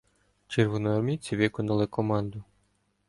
Червоноармійці виконали команду.